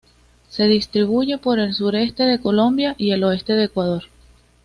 Se distribuye por el suroeste de Colombia y el oeste de Ecuador.